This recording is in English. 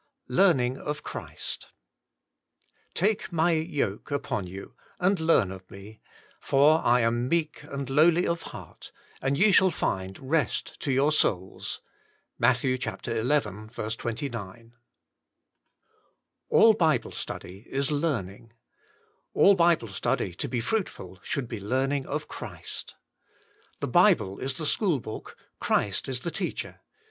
XVII LEARNING OF CHRIST "Take My yoke upon you and learn of Me: for I am meek and lowly of heart ; and ye shall find rest to your souls." — Matt. xi. 29. All Bible study is learning. All Bible study to be fruitful should be learning of Christ. The Bible is the school book, Christ is the Teacher.